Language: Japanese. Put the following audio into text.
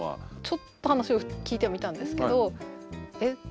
ちょっと話を聞いてはみたんですけどえっ